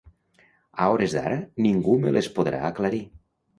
A hores d'ara, ningú me les podrà aclarir.